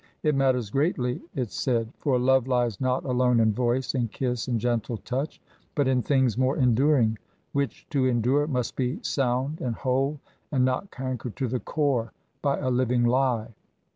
It matters greatly, it said, for love lies not alone in voice, and kiss, and gentle touch, but in things more enduring, which to endure must be sound and whole and not cankered to the core by a living lie.